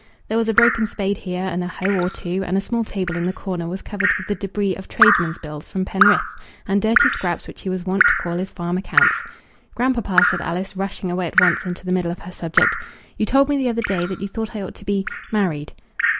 There was a broken spade here, and a hoe or two; and a small table in the corner was covered with the debris of tradesmen's bills from Penrith, and dirty scraps which he was wont to call his farm accounts. "Grandpapa," said Alice, rushing away at once into the middle of her subject, "you told me the other day that you thought I ought to be married."